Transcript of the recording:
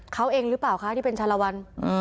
เขาเองรึเปล่าคะที่เป็นชะลาวัล